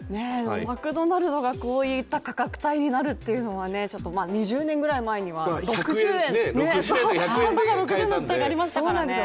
マクドナルドがこういった価格帯になるというのは２０年ぐらい前にはハンバーガー６０円のときとかもありましたからね。